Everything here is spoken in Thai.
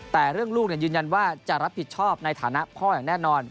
แต่เรื่องลูกยืนยันว่าจะรับผิดชอบในฐานะพ่ออย่างแน่นอน